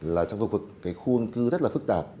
là trong khu vực khuôn cư rất là phức tạp